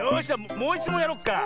もういちもんやろう。